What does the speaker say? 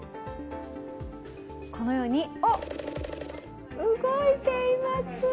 このように動いています。